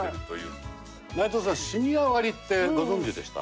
内藤さんシニア割ってご存じでした？